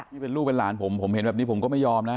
นี่เป็นลูกเป็นหลานผมผมเห็นแบบนี้ผมก็ไม่ยอมนะ